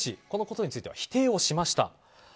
このことについては否定をしました。